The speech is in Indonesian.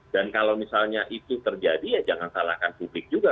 dan kalau misalnya itu terjadi ya jangan salahkan publik juga